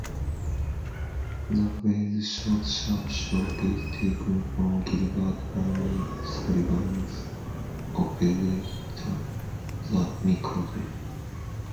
The phrase "short, sharp shock" is taken from Gilbert and Sullivan's operetta "The Mikado".